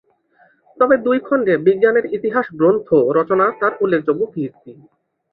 তবে দুই খণ্ডে "বিজ্ঞানের ইতিহাস" গ্রন্থ রচনা তাঁর উল্লেখযোগ্য কীর্তি।